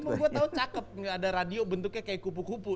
membuat tau cakep nggak ada radio bentuknya kayak kupu kupu